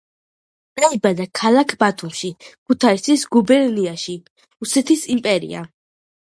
დაიბადა ქალაქ ბათუმში, ქუთაისის გუბერნიაში, რუსეთის იმპერია.